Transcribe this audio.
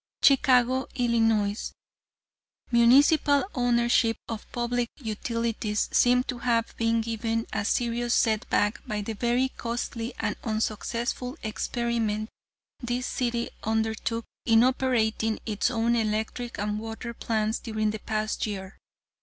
"Chicago, Ill.: Municipal ownership of public utilities seems to have been given a serious setback by the very costly and unsuccessful experiment this city undertook in operating its own electric and water plants during the past year.